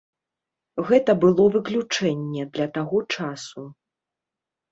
Гэта было выключэнне для таго часу.